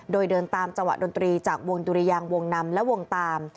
โดยเดินตามจังหวะดนตรีจากวงดุรยางวงนำและวงตาม